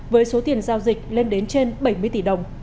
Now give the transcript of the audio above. với số tiền giao dịch lên đến trên bảy mươi tỷ đồng